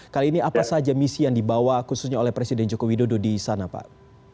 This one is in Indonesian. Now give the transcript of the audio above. kali ini apa saja misi yang dibawa khususnya oleh presiden joko widodo di sana pak